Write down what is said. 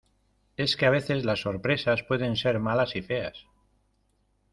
es que a veces las sorpresas pueden ser malas y feas.